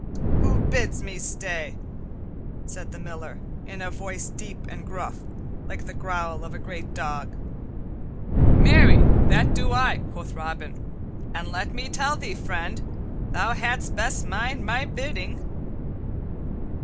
"Who bids me stay?" said the Miller in a voice deep and gruff, like the growl of a great dog. "Marry, that do I," quoth Robin; "and let me tell thee, friend, thou hadst best mind my bidding."